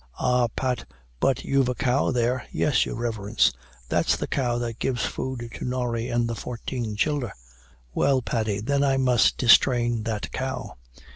'Ah, Pat, but you've a cow there. 'Yes, your Riverence, that's the cow that gives food to Norry and the fourteen childer.' 'Well, Paddy, then I must distrain that cow.'